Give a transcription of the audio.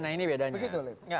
nah ini bedanya